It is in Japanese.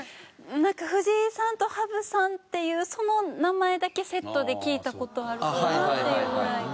なんか藤井さんと羽生さんっていうその名前だけセットで聞いた事あるかなっていうぐらいで。